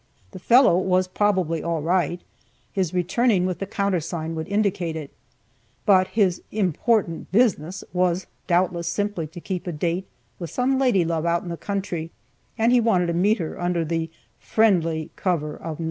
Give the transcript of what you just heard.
The fellow was probably all right; his returning with the countersign would indicate it. But his "important business" was doubtless simply to keep a date with some lady love out in the country, and he wanted to meet her under the friendly cover of the night.